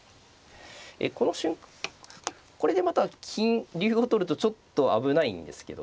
このこれでまた竜を取るとちょっと危ないんですけどね。